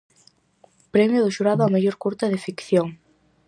Premio do xurado á mellor curta de ficción.